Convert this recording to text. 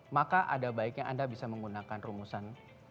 maka ada baiknya anda bisa menggunakan rumusan enam puluh dua puluh sepuluh sepuluh